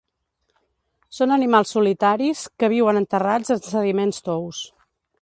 Són animals solitaris que viuen enterrats en sediments tous.